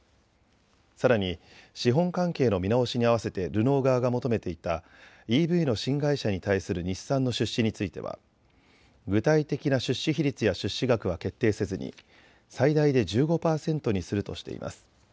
さらに資本関係の見直しに合わせてルノー側が求めていたＥＶの新会社に対する日産の出資については具体的な出資比率や出資額は決定せずに最大で１５％にするとしています。